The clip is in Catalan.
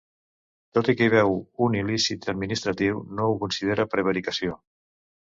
Tot i que hi veu un il·lícit administratiu, no ho considera prevaricació.